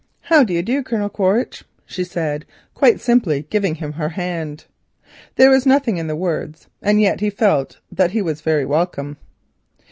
"How do you do, Colonel Quaritch?" she said quite simply, giving him her hand. There was nothing in the words, and yet he felt that he was very welcome.